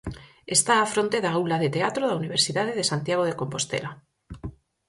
Está á fronte da Aula de Teatro da Universidade de Santiago de Compostela.